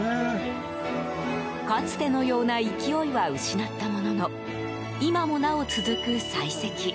かつてのような勢いは失ったものの今もなお続く採石。